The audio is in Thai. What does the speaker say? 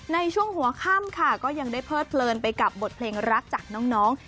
ในช่วงหัวค่ำค่ะก็ยังได้เพิดเพลินไปกับบทเพลงรักจากน้อง